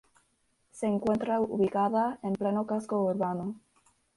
Se encuentra ubicada en pleno casco urbano.